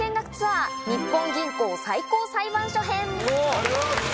ありがとうございます。